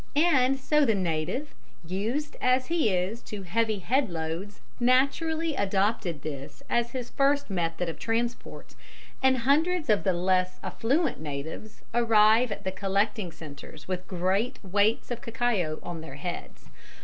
And so the native, used as he is to heavy head loads, naturally adopted this as his first method of transport, and hundreds of the less affluent natives arrive at the collecting centres with great weights of cacao on their heads.